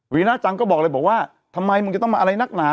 วีน่าจังก็บอกเลยบอกว่าทำไมมึงจะต้องมาอะไรนักหนา